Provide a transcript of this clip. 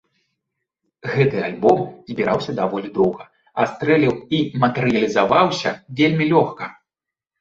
Гэты альбом збіраўся даволі доўга, а стрэліў і матэрыялізаваўся вельмі лёгка.